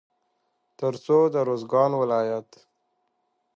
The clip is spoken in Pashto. تر څو د روزګان ولايت